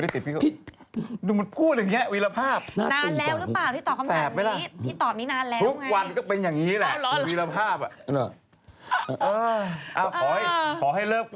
แต่ลายต้องยังอยู่